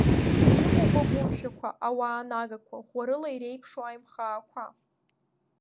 Иҟоуп агәымшәақәа, ауаа нагақәа, ӷәӷәарыла иреиԥшу Аимхаақәа.